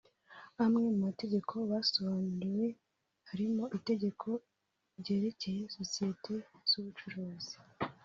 Amwe mu mategeko basobanuriwe harimo itegeko ryerekeye sosiyete z’ ubucuruzi